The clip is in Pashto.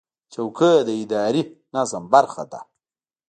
چوکۍ د اداري نظم برخه ده.